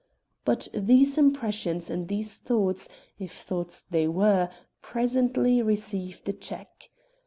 But these impressions and these thoughts if thoughts they were presently received a check.